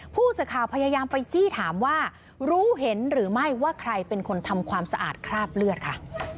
ผู้สื่อข่าวพยายามไปจี้ถามว่ารู้เห็นหรือไม่ว่าใครเป็นคนทำความสะอาดคราบเลือดค่ะ